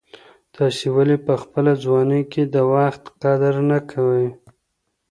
تاسي ولي په خپله ځواني کي د وخت قدر نه کوئ؟